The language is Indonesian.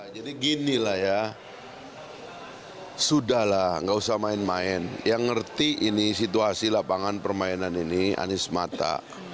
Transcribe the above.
jadi ginilah ya sudah lah gak usah main main yang ngerti ini situasi lapangan permainan ini anies mata